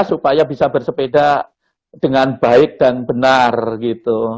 supaya bisa bersepeda dengan baik dan benar gitu